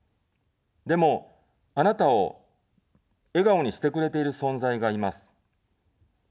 でも、あなたを笑顔にしてくれている存在がいます。